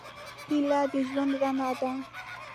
هیلې د ژوند رڼا ده.